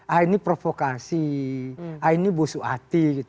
ah ini provokasi ah ini busuk hati